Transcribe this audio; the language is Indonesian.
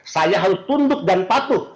saya harus tunduk dan patuh